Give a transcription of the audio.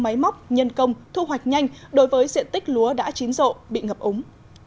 máy móc nhân công thu hoạch nhanh đối với diện tích lúa đã chín rộ bị ngập úng